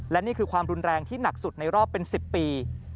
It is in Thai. และนี่คือความรุนแรงที่หนักสุดในรอบเป็น๑๐ปี